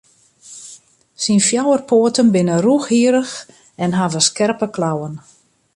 Syn fjouwer poaten binne rûchhierrich en hawwe skerpe klauwen.